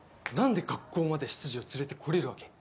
んで学校まで執事を連れてこれるわけ？